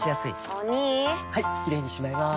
お兄はいキレイにしまいます！